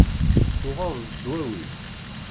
Tuɣeḍ-d dwawi?